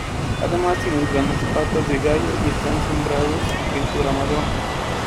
Además tienen grandes patas de gallo y están sombreados con pintura marrón.